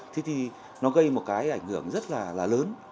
thế thì nó gây một cái ảnh hưởng rất là lớn